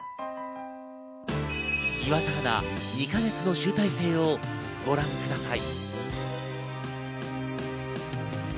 岩田アナ、２か月の集大成をご覧ください。